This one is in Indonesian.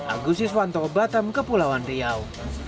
agusiswanto batam kepulauan riau